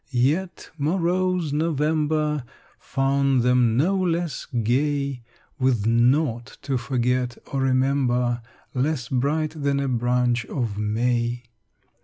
Yet morose November Found them no less gay, With nought to forget or remember Less bright than a branch of may.